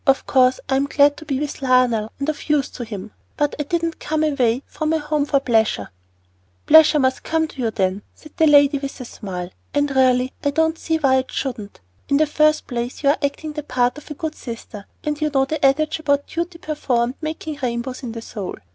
Of course I'm glad to be with Lionel and of use to him, but I didn't come away from home for pleasure." "Pleasure must come to you, then," said the lady, with a smile. "And really I don't see why it shouldn't. In the first place you are acting the part of a good sister; and you know the adage about duty performed making rainbows in the soul.